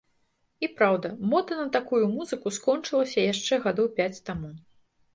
І праўда, мода на такую музыку скончылася яшчэ гадоў пяць таму.